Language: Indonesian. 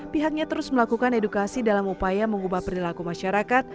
pihaknya terus melakukan edukasi dalam upaya mengubah perilaku masyarakat